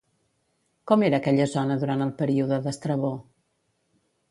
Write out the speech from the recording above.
Com era aquella zona durant el període d'Estrabó?